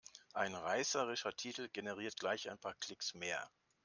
Ein reißerischer Titel generiert gleich ein paar Klicks mehr.